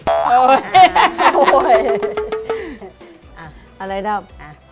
อะไรเรื่องรับ